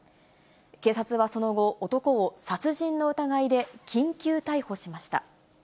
警察はその後、男を殺人の疑いで緊急逮捕しました。